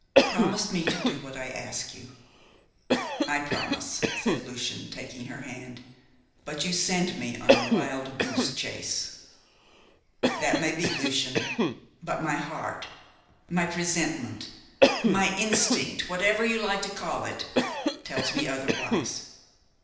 Promise me to do what I ask you." "I promise," said Lucian, taking her hand, "but you send me on a wild goose chase." "That may be, Lucian, but my heart my presentiment my instinct whatever you like to call it tells me otherwise.